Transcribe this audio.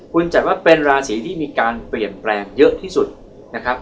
คุณจัดว่าเป็นราศีที่มีการเปลี่ยนแปลงเยอะที่สุดนะครับ